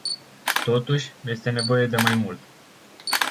Totuși, este nevoie de mai mult.